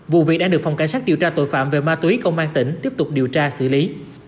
vụ việc đang được phòng cảnh sát điều tra tội phạm về ma túy công an tỉnh tiếp tục điều tra xử lý